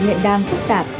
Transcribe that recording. hiện đang phức tạp